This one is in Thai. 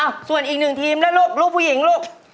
อ้าวส่วนอีกหนึ่งทีมแล้วลูกลูกผู้หญิงลูก